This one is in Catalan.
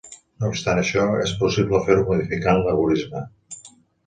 No obstant això, és possible fer-ho modificant l'algorisme.